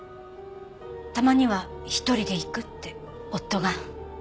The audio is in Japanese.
たまには１人で行くって夫が。